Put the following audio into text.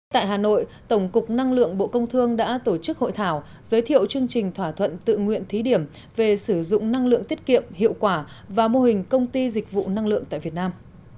tại hà nội tổng cục năng lượng bộ công thương đã tổ chức hội thảo giới thiệu chương trình thỏa thuận tự nguyện thí điểm về sử dụng năng lượng tiết kiệm hiệu quả và mô hình công ty dịch vụ năng lượng tại việt nam